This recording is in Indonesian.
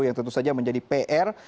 yang tentu saja menjadi pr